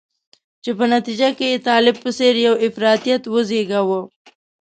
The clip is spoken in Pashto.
چې په نتیجه کې یې طالب په څېر یو افراطیت وزیږاوه.